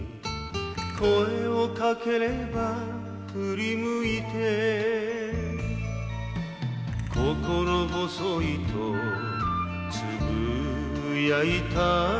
「声をかければ振り向いて」「心細いと呟いた」